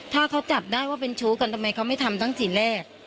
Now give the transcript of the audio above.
ถ้าเขาจับได้ว่าเป็นชู้กันทำไมเขาไม่ทำทั้งทีแรก